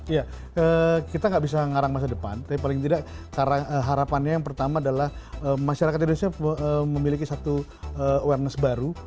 ya kita gak bisa ngarang masa depan tapi paling tidak harapannya yang pertama adalah masyarakat indonesia memiliki satu awareness baru